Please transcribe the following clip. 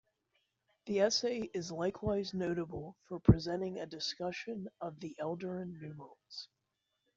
The essay is likewise notable for presenting a discussion of the Eldarin numerals.